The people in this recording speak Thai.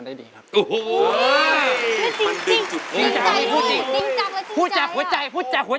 มีตั้งแต่แรกแล้ว